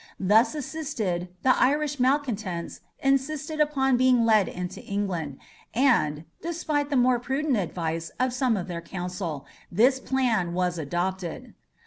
Thus assisted, the Irish malcontents insisted upon being led into England, and, despite the more prudent advice of some of their council, this plan was adopted.